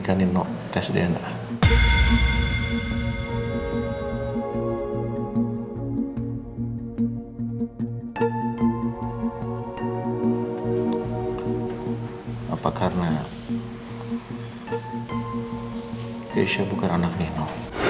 keisha bukan anak nino